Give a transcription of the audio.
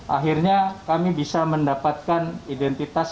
akhirnya kami bisa mendapatkan identitas